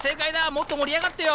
もっと盛り上がってよ！